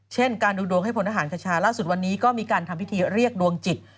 เช่นการดูดวงให้พลทหารคชาล่าสุดวันนี้ก็มีการทำพิธีเรียกดวงจิต